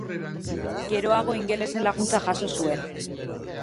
Geroago ingelesen laguntza jaso zuen.